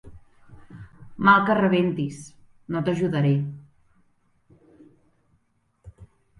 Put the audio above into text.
Mal que rebentis, no t'ajudaré.